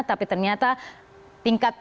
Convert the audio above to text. tapi ternyata tingkatnya